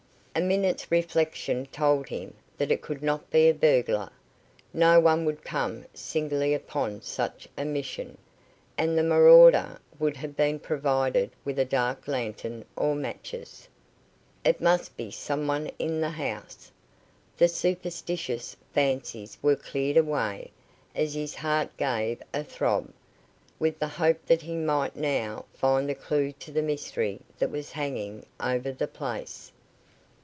A minute's reflection told him that it could not be a burglar. No one would come singly upon such a mission, and the marauder would have been provided with a dark lantern or matches. It must be some one in the house. The superstitious fancies were cleared away, as his heart gave a throb, with the hope that he might now find the clue to the mystery that was hanging over the place.